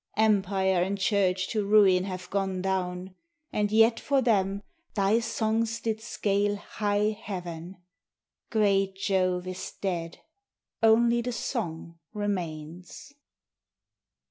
Empire and Church to ruin have gone down, And yet for them thy songs did scale high heaven. Great Jove is dead. Only the song remains.